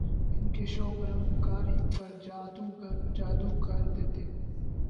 ان کے شوخ رنگ قاری پر جادو کر دیتے ہیں